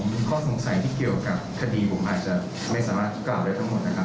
มีข้อสงสัยที่เกี่ยวกับคดีผมอาจจะไม่สามารถกล่าวได้ทั้งหมดนะครับ